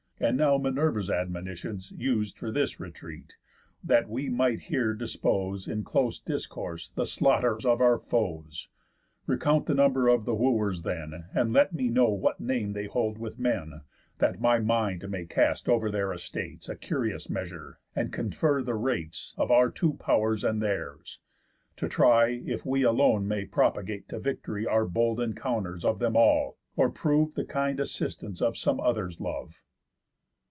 And now Minerva's admonitions us'd For this retreat, that we might here dispose In close discourse the slaughters of our foes. Recount the number of the Wooers then, And let me know what name they hold with men, That my mind may cast over their estates A curious measure, and confer the rates Of our two pow'rs and theirs, to try, if we Alone may propagate to victory Our bold encounters of them all, or prove The kind assistance of some others' love."